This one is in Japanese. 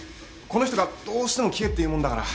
この人がどうしても聞けっていうもんだから。